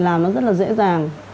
làm nó rất là dễ dàng